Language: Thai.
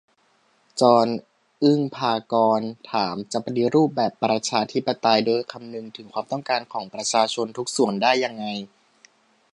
จอน อึ๊งภากรณ์ ถาม จะปฏิรูปแบบประชาธิปไตยโดยคำนึงถึงความต้องการของประชาชนทุกส่วนได้ยังไง ?